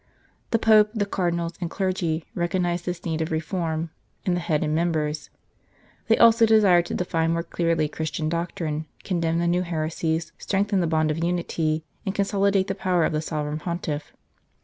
The Pope, the Cardinals and clergy, recognized this need of reform "in the head and members"; they also desired to define more clearly Christian doctrine, condemn the new heresies, strengthen the bonds of unity, and consolidate the power of the Sovereign Pontiff.